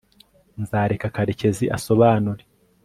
nzareka karekezi asobanure